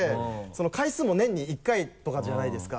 回数も年に１回とかじゃないですか。